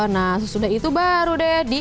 nah sesudah itu baru deh di